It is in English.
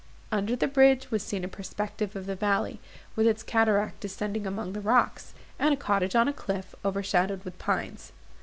Under the bridge was seen a perspective of the valley, with its cataract descending among the rocks, and a cottage on a cliff, overshadowed with pines.